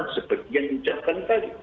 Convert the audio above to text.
seperti yang dicatkan tadi